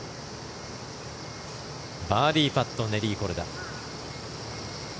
バーディーパットネリー・コルダ。